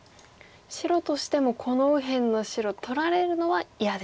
白としてもこの右辺の白取られるのは嫌ですか。